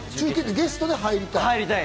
ゲストで入りたい。